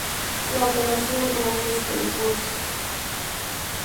La operación aún está en curso.